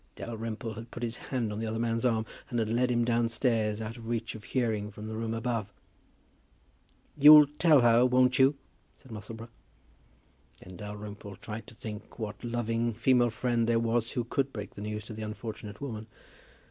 Dalrymple had put his hand on the other man's arm, and had led him downstairs, out of reach of hearing from the room above. "You'll tell her, won't you?" said Musselboro. Then Dalrymple tried to think what loving female friend there was who could break the news to the unfortunate woman.